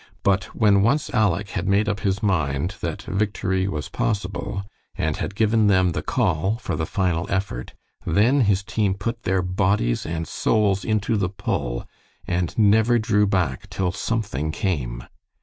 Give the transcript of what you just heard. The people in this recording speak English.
But when once Aleck had made up his mind that victory was possible, and had given them the call for the final effort, then his team put their bodies and souls into the pull, and never drew back till something came.